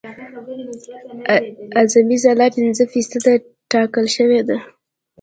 اعظمي خلا پنځه فیصده ټاکل شوې ده